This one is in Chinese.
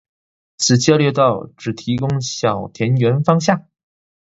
此交流道只提供小田原方向。